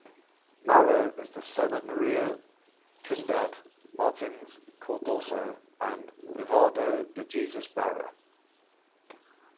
Mauro is the son of Maria Trindade Martins Cardoso and Vivaldo de Jesus Barra.